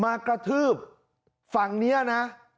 มากระทืบฝั่งนี้นะ